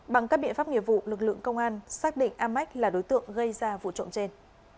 bằng các biện pháp nghiệp vụ lực lượng công an xác định amac là đối tượng gây ra vụ trộm trên